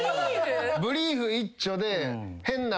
ブリーフ一丁で。